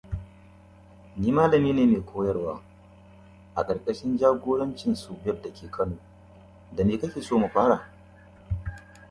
For arc welding one uses a "consumable" electrode.